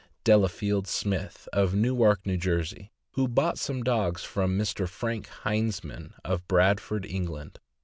Delafield Smith, of Newark, N. J., who bought some dogs from Mr. Frank Heinzman, of Bradford, Eng land.